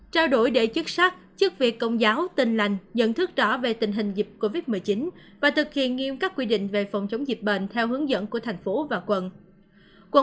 trao đổi để chức sắc chức việc công giáo tin lành nhận thức rõ về tình hình dịch covid một mươi chín và thực hiện nghiêm các quy định về phòng chống dịch bệnh theo hướng dẫn của thành phố và quận